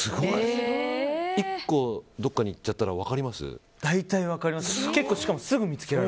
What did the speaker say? １個どこかにいっちゃったら大体分かります。